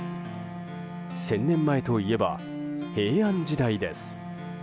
１０００年前といえば平安時代です。